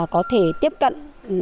có thể tiếp cận